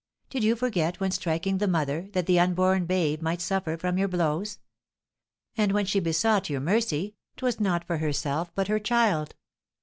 Did you forget, when striking the mother, that the unborn babe might suffer from your blows? And when she besought your mercy, 'twas not for herself, but her child.